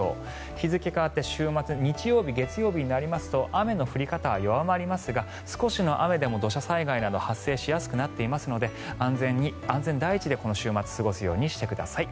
日付変わって週末日曜日、月曜日になりますと雨の降り方は弱まりますが少しの雨でも土砂災害など発生しやすくなっていますので安全第一でこの週末過ごすようにしてください。